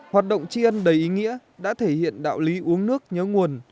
hoạt động tri ân đầy ý nghĩa đã thể hiện đạo lý uống nước nhớ nguồn